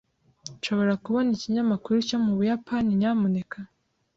Nshobora kubona ikinyamakuru cyo mu Buyapani, nyamuneka?